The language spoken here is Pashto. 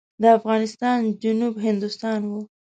د افغانستان جنوب هندوستان و.